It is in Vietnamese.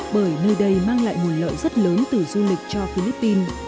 bởi nơi đây mang lại nguồn lợi rất lớn từ du lịch cho philippines